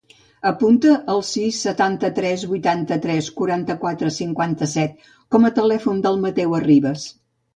Apunta el sis, setanta-tres, vuitanta-tres, quaranta-quatre, cinquanta-set com a telèfon del Mateu Arribas.